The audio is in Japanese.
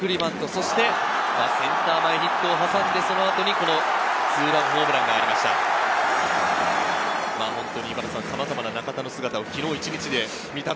そしてセンター前ヒットを挟んで、そのあとにツーランホームランがありました。